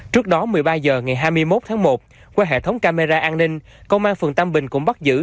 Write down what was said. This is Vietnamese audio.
trước đó một mươi ba h ngày hai mươi một tháng một qua hệ thống camera an ninh công an phường tam bình cũng bắt giữ